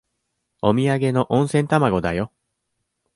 おみやげの温泉卵だよ。